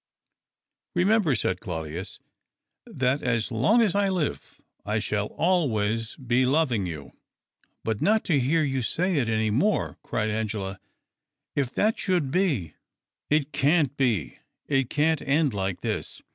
" Kemember," said Claudius, " that as long as I live I shall always be loving you." " But not to hear you say it any more !" cried Angela. " If that should be !"" It can't be. It can't end like this."